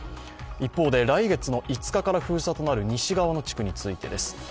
一方で来月の５日から封鎖となる西側の地区についてです。